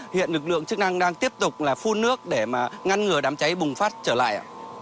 hiện lực lượng chức năng đang tiếp tục phun nước để ngăn ngừa đám cháy bùng phát trở lại